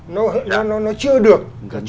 nó chưa được